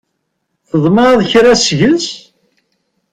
Tḍemɛeḍ kra seg-s?